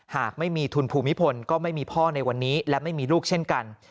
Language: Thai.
หากไม่มีทุนภูมิพลก็ไม่มีพ่อในวันนี้และไม่มีลูกเช่นกัน